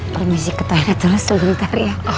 permisi ke toilet dulu sebentar ya